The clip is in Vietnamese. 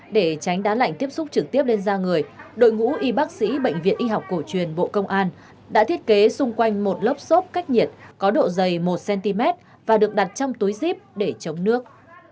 để tránh đá lạnh tiếp xúc trực tiếp lên da người đội ngũ y bác sĩ bệnh viện y học cổ truyền bộ công an đã thiết kế xung quanh một lớp xốp cách nhiệt có độ dày một cm và được đặt trong túi zip để chống nước